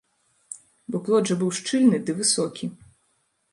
Бо плот жа быў шчыльны ды высокі.